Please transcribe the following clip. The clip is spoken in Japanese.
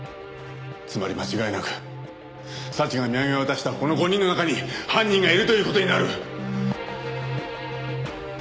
つまり間違いなく早智が土産を渡したこの５人の中に犯人がいるという事になる！